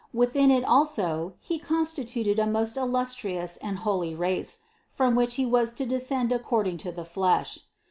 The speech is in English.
Within it also He constituted a most illustrious and holy race, from which He was to descend according to the flesh.